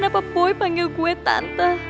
naya tenies gelen bukan